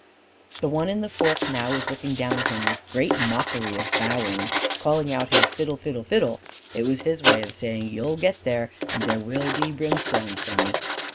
The one in the fork now was looking down at him, and, with a great mockery of bowing, called out his Fiddle Fiddle Fiddle: it was his way of saying: "You'll get there: and there will be brimstone, sonny!"